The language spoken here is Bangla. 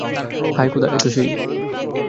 হায় খোদা, এ তো সেই।